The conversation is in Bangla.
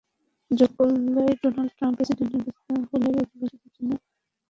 যোগ করলেন, ডোনাল্ড ট্রাম্প প্রেসিডেন্ট নির্বাচিত হলে অভিবাসীদের জন্য খুব খারাপ হবে।